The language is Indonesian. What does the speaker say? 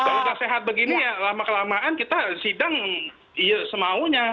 kalau sudah sehat begini ya lama kelamaan kita sidang semaunya